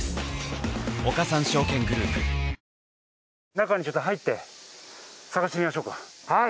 中に入って探してみましょうか。